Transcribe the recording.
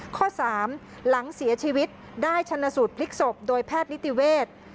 ข้อ๓หลังเสียชีวิตได้ชนะสูตรพลิกศพโดยแพทย์นิติเวศ